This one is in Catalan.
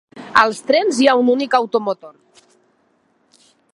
Als trens hi ha un únic automotor.